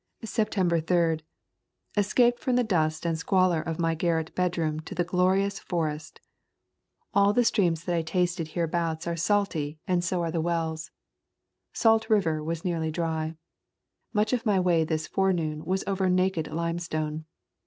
September 3. Escaped from the dust and squalor of my garret bedroom to the glorious forest. All the streams that I tasted hereabouts SNVO AWONINAN Kentucky Forests and Caves are salty and so are the wells. Salt River was nearly dry. Much of my way this forenoon was over naked limestone.